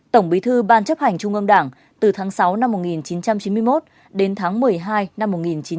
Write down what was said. tổng bí thư ban chấp hành trung ương đảng từ tháng sáu năm một nghìn chín trăm chín mươi một đến tháng một mươi hai năm một nghìn chín trăm bảy mươi